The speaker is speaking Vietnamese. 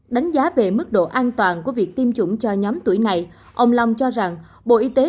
đánh giá về mức độ an toàn của việc tiêm chủng cho nhóm tuổi này ông long cho rằng bộ y tế